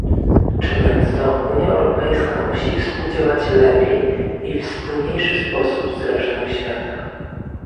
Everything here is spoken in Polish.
Czyniąc to, Unia Europejska musi współdziałać lepiej i w spójniejszy sposób z resztą świata